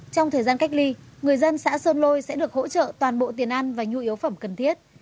trong thời gian cách ly người dân xã sơn lôi sẽ được hỗ trợ toàn bộ tiền ăn và nhu yếu phẩm cần thiết